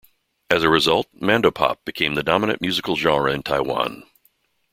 As a result, mandopop became the dominant musical genre in Taiwan.